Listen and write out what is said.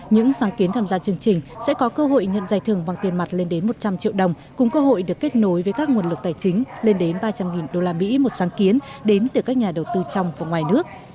những sáng kiến tham gia chương trình sẽ có cơ hội nhận giải thưởng bằng tiền mặt lên đến một trăm linh triệu đồng cùng cơ hội được kết nối với các nguồn lực tài chính lên đến ba trăm linh usd một sáng kiến đến từ các nhà đầu tư trong và ngoài nước